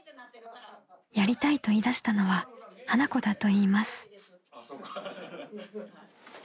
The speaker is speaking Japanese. ［やりたいと言いだしたのは花子だといいます］